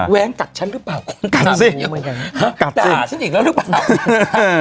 แว้งกัดฉันหรือเปล่ากัดสิฮะกัดสิด่าฉันอีกแล้วหรือเปล่าอืม